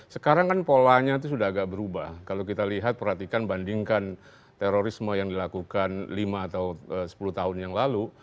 sekarang kan polanya itu sudah agak berubah kalau kita lihat perhatikan bandingkan terorisme yang dilakukan lima atau sepuluh tahun yang lalu